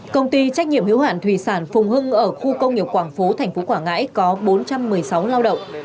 công ty trách nhiệm hữu hạn thủy sản phùng hưng ở khu công nghiệp quảng phú tp quảng ngãi có bốn trăm một mươi sáu lao động